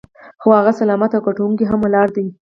خو هغه سلامت او ګټونکی هم ولاړ دی.